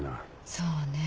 そうねえ。